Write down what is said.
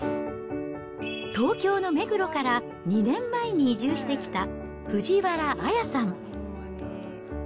東京の目黒から２年前に移住してきた藤原綾さん。